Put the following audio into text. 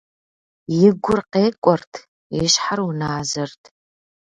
И гур къекӏуэрт, и щхьэр уназэрт.